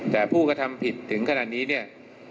แต่ผู้กระทำผิดถึงขนาดนี้เนี่ย